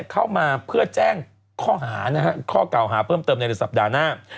เข้ามาเพื่อแจ้งข้อหานะฮะข้อเก่าหาเพิ่มเติมในสัปดาห์หน้า